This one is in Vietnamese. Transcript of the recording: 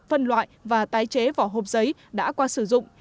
phân loại và tái chế vỏ hộp giấy đã qua sử dụng